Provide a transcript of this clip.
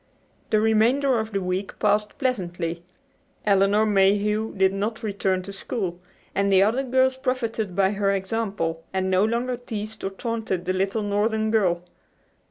The remainder of the week passed pleasantly. Elinor Mayhew did not return to school, and the other girls profited by her example and no longer teased or taunted the little northern girl.